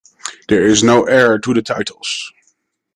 There is no heir to the titles.